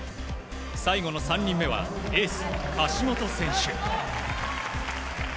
最後の３人目はエース橋本選手。